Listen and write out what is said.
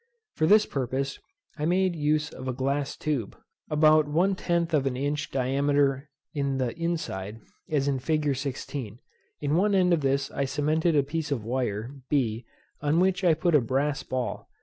For this purpose I made use of a glass tube, about one tenth of an inch diameter in the inside, as in fig. 16. In one end of this I cemented a piece of wire b, on which I put a brass ball.